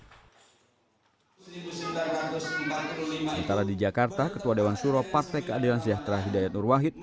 sementara di jakarta ketua dewan suro partai keadilan sejahtera hidayat nur wahid